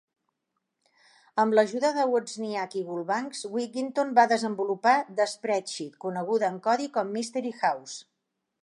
Amb l'ajuda de Wozniak i Gull Banks, Wigginton va desenvolupar "The Spreadsheet", coneguda en codi com "Mystery House".